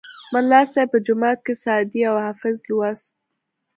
ملا صیب به جومات کې سعدي او حافظ لوست.